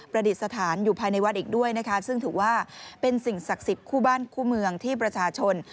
ดิษฐานอยู่ภายในวัดอีกด้วยนะคะซึ่งถือว่าเป็นสิ่งศักดิ์สิทธิ์คู่บ้านคู่เมืองที่ประชาชน